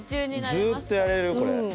ずっとやれるよこれ。